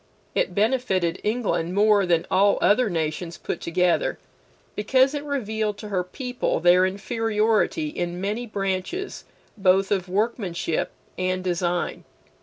It benefited England more than all other nations put together, because it revealed to her people their inferiority in many branches both of workmanship and design.